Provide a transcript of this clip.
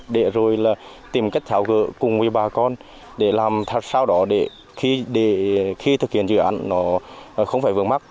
để rồi là tìm cách tháo gỡ cùng với bà con để làm sao đó để khi thực hiện dự án nó không phải vướng mắt